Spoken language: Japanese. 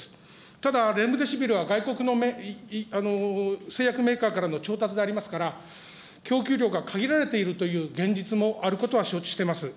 ただレムデシビルは、外国の製薬メーカーからの調達でありますから、供給量が限られているという現実もあることは承知してます。